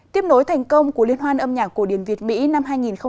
tiếp nối thành công của liên hoan âm nhạc cổ điển việt mỹ năm hai nghìn một mươi chín